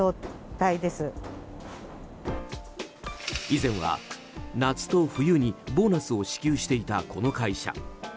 以前は夏と冬にボーナスを支給していたこの会社。